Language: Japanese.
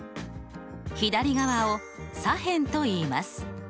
左側を左辺といいます。